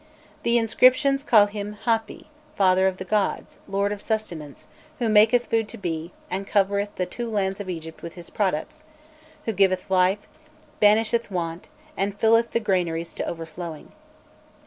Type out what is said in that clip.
The inscriptions call him, "Hâpi, father of the gods, lord of sustenance, who maketh food to be, and covereth the two lands of Egypt with his products; who giveth life, banisheth want, and filleth the granaries to overflowing."